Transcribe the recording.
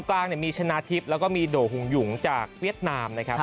กลางมีชนะทิพย์แล้วก็โด่หุ่งหยุงจากเวียดนาม